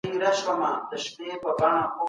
مراد تر لاسه کول د هر انسان هیله ده.